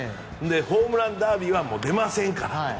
ホームランダービーは出ませんからと。